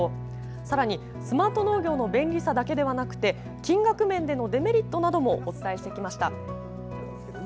さらにスマート農業の便利さだけでなく金額面でのデメリットなども伝えてきました。